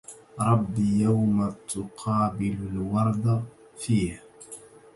رب يوم تقابل الورد فيه